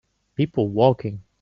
People walking